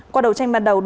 qua đầu tranh ban đầu